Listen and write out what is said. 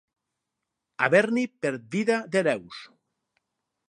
Haver-n'hi per vida d'hereus.